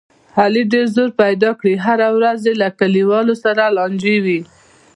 علي ډېر وزر پیدا کړي، هره ورځ یې له کلیوالو سره لانجه وي.